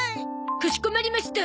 かしこまりました。